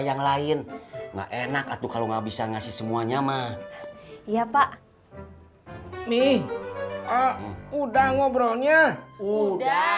yang lain enggak enak atau kalau nggak bisa ngasih semuanya mah iya pak mih udah ngobrolnya udah